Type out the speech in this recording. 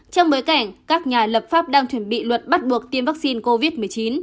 trong bối cảnh các nhà lập pháp đang chuẩn bị luật bắt buộc tiêm vaccine covid một mươi chín